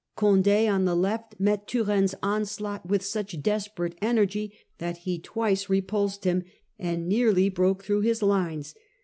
Condd on the left met Turenne's onslaught with such desperate energy that he twice repulsed him, and nearly broke through his lines.